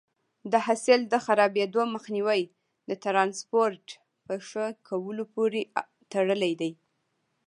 د حاصل د خرابېدو مخنیوی د ټرانسپورټ په ښه کولو پورې تړلی دی.